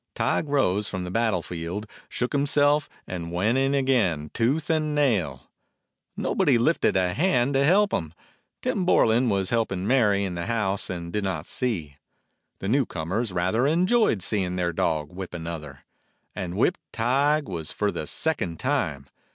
Tige rose from the battle field, shook him self, and went in again, tooth and nail. Nobody lifted a hand to help him. Tim Bor lan was helping Mary in the house and did not see. The new comers rather enjoyed seeing their dog whip another. And whipped Tige was for the second time.